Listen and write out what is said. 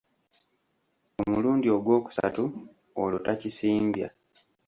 Omulundi ogwokusatu olwo takisimbya.